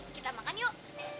eh kita makan yuk